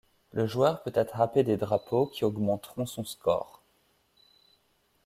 Le joueur peut attraper des drapeaux qui augmenteront son score.